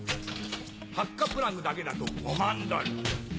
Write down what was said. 発火プラグだけだと５万ドル。